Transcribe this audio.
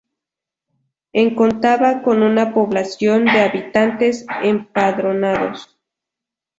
En contaba con una población de habitantes empadronados.